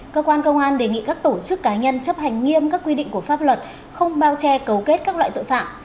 cơ quan công an đề nghị các tổ chức cá nhân chấp hành nghiêm các quy định của pháp luật không bao che cấu kết các loại tội phạm